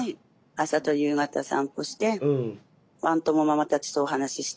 朝と夕方散歩してワン友ママたちとお話しして。